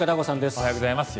おはようございます。